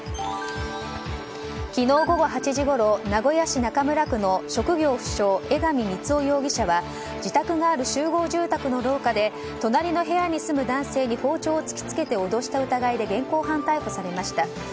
昨日午後８時ごろ名古屋市中村区の職業不詳、江上光男容疑者は自宅がある集合住宅の廊下で隣の部屋に住む男性に包丁を突き付けて脅した疑いで現行犯逮捕されました。